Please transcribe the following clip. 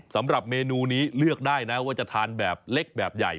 สำหรับเมนูนี้เลือกได้นะว่าจะทานแบบเล็กแบบใหญ่